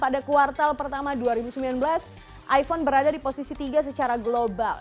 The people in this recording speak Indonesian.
selama dua ribu sembilan belas iphone berada di posisi tiga secara global